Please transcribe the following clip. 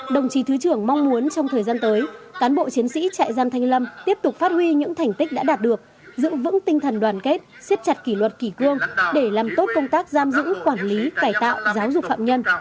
đồng chí thứ trưởng mong muốn trong thời gian tới cán bộ chiến sĩ trại giam thanh lâm tiếp tục phát huy những thành tích đã đạt được giữ vững tinh thần đoàn kết siết chặt kỷ luật kỷ cương để làm tốt công tác giam giữ quản lý cải tạo giáo dục phạm nhân